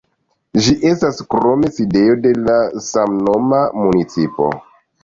Ĝi estas krome sidejo de la samnoma municipo.